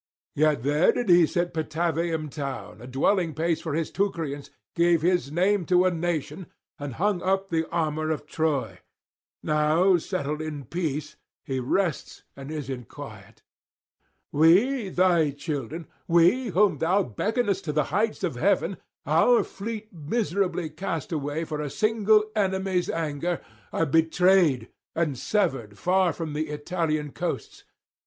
Yet here did he set Patavium town, a dwelling place for his Teucrians, gave his name to a nation and hung up the armour of Troy; now settled in peace, he rests and is in quiet. We, thy children, we whom thou beckonest to the heights of heaven, our fleet miserably cast away for a single enemy's anger, are betrayed and severed far from the Italian coasts.